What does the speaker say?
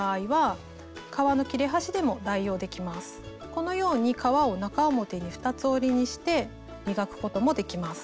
このように革を中表に二つ折りにして磨くこともできます。